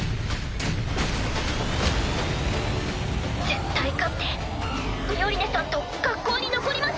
絶対勝ってミオリネさんと学校に残ります。